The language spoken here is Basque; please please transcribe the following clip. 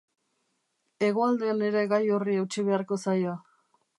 Hegoaldean ere gai horri eutsi beharko zaio.